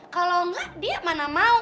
kalau enggak dia mana mau